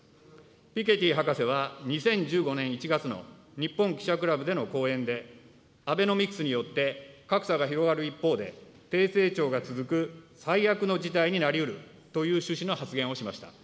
ピケティ博士は２０１５年１月の日本記者クラブでの講演で、アベノミクスによって、格差が広がる一方で、低成長が続く最悪の事態になりうるという趣旨の発言をしました。